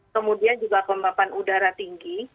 kemudian juga kelembapan udara tinggi